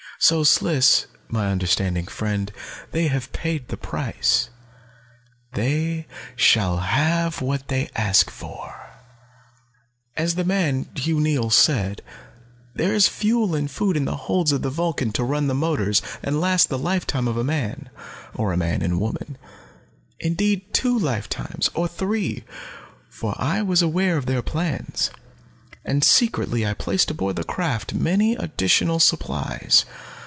"So, Sliss, my understanding friend, they have paid the price, they shall have what they ask for. "As the man, Hugh Neils, said, there is fuel and food in the holds of the Vulcan to run the motors and last the lifetime of a man or a man and a woman. Indeed, two lifetimes, or three, for I was aware of their plans, and secretly I placed aboard the craft many additional supplies.